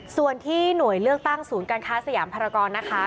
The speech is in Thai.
ส่วนที่หน่วยเลือกตั้งศูนย์การค้าสยามภารกรนะคะ